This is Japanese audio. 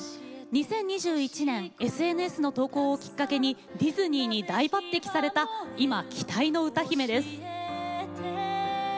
２０２１年ＳＮＳの投稿をきっかけにディズニーに大抜てきされた今、期待の歌姫です。